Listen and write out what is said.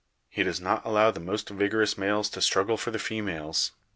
He does not allow the most vigorous males to struggle for the females.